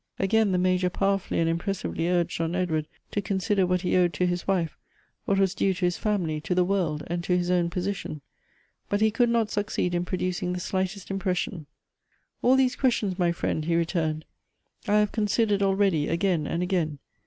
Again the Major powerfully and impressively urged on Edward to consider what he owed to his wife, what was due to his family, to the world, and to his own position ; but he could not succeed in producing the slightest impression. " All these questions, my friend," he returned, " I have considered already again and again.